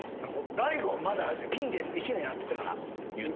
大悟はまだピンで１年やってたから。